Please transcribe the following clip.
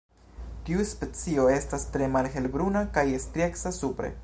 Tiu specio estas tre malhelbruna kaj strieca supre.